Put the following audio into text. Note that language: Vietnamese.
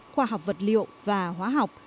khoa học vật liệu và hóa học